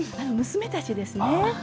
娘たちとですね。